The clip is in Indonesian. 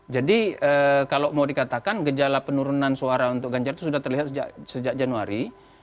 jadi kalau mau dikatakan gejala penurunan suara untuk ganjar itu sudah terlihat sejak januari